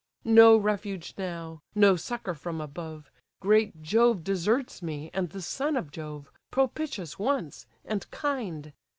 No refuge now, no succour from above, Great Jove deserts me, and the son of Jove, Propitious once, and kind!